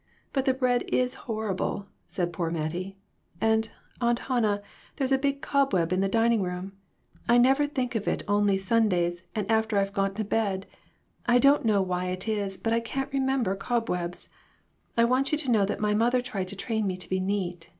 " "But the bread is horrible!" said poor Mattie; "and, Aunt Hannah, there is a big cobweb in the dining room. I never think of it only Sundays and after I've gone to bed. I don't know why it is, but I can't remember cobwebs. I want you to know that my mother tried to train me to be neat."